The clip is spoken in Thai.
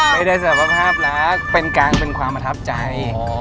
ไม่ได้สารภาพรักเป็นการเป็นความประทับใจ